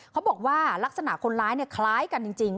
เขาบอกว่าลักษณะคนร้ายคล้ายกันจริง